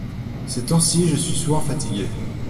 Ces temps-ci je suis souvent fatigué.